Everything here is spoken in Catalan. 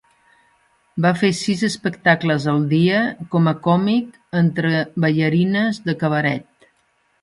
Va fer sis espectacles al dia com a còmic entre ballarines de cabaret.